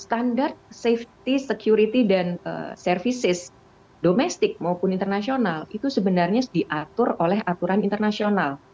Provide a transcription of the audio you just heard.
standar keamanan keamanan dan perusahaan domestik maupun internasional itu sebenarnya diatur oleh aturan internasional